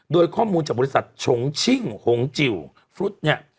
โดยข้อมูลจากบริษัทชงชิ่งหงจิ๋วฟรุตเนี่ย